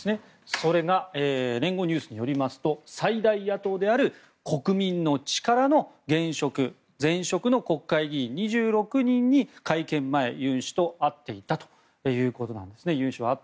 それが連合ニュースによりますと最大野党である国民の力の現職、前職の国会議員２６人に会見前、ユン氏は会っていたということなんですね。